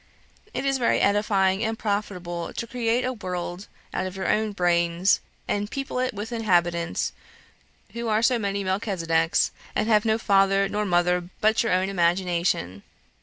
It is very edifying and profitable to create a world out of your own brains, and people it with inhabitants, who are so many Melchisedecs, and have no father nor mother but your own imagination